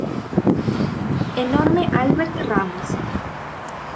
Enorme Albert Ramos.